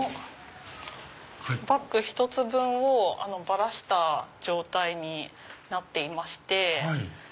バッグ１つ分をばらした状態になっていまして。